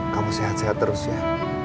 kamu sehat sehat terus ya